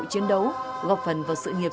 chiến đấu gọc phần vào sự nghiệp